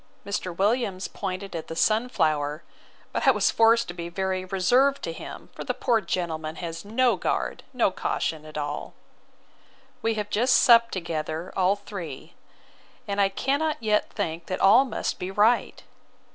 Mr. Williams pointed at the sunflower, but I was forced to be very reserved to him; for the poor gentleman has no guard, no caution at all. We have just supped together, all three: and I cannot yet think that all must be right.